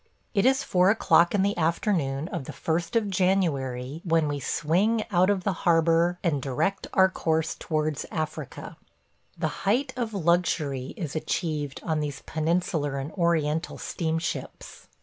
It is four o'clock in the afternoon of the 1st of January when we swing out of the harbor and direct our course towards Africa. The height of luxury is achieved on these Peninsular and Oriental steamships.